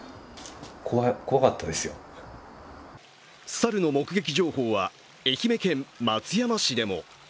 猿の目撃情報は愛媛県松山市でも。